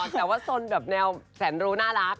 แต่ว่าสนแบบแนวแสนรู้น่ารัก